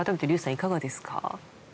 いかがですか？